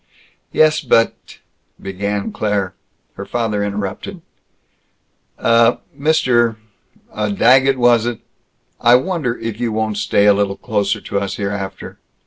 "Yes, but " began Claire. Her father interrupted: "Uh, Mr., uh Daggett, was it? I wonder if you won't stay a little closer to us hereafter?